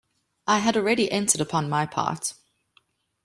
I had already entered upon my part.